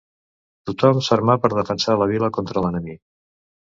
Tothom s'armà per defensar la vila contra l'enemic.